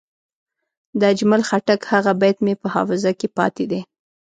د اجمل خټک هغه بیت مې په حافظه کې پاتې دی.